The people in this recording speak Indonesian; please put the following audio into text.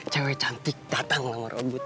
cewe cantik dateng nomor obut